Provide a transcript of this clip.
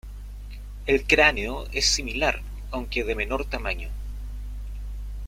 El cráneo es similar, aunque de menor tamaño.